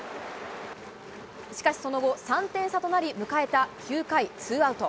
しかしその後、３点差となり、迎えた９回ツーアウト。